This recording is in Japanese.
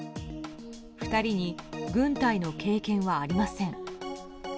２人に軍隊の経験はありません。